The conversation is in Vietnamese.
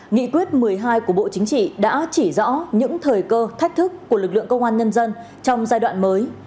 nghị quyết một mươi hai của bộ chính trị đã chỉ rõ những thời cơ thách thức của lực lượng công an nhân dân trong giai đoạn mới